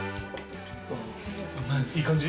いい感じ？